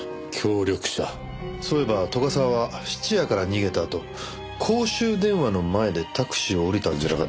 そういえば斗ヶ沢は質屋から逃げたあと公衆電話の前でタクシーを降りたんじゃなかったでしたっけ？